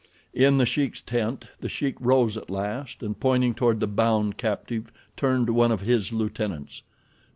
In The Sheik's tent The Sheik rose at last, and, pointing toward the bound captive, turned to one of his lieutenants.